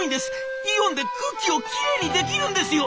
イオンで空気をきれいにできるんですよ」。